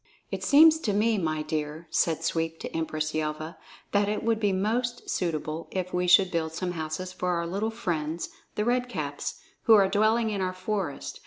"It seems to me, my dear," said Sweep to Empress Yelva, "that it would be most suitable if we should build some houses for our little friends, the Red Caps, who are dwelling in our forest.